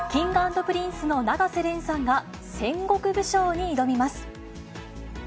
Ｋｉｎｇ＆Ｐｒｉｎｃｅの永瀬廉さんが、戦国武将に挑みます。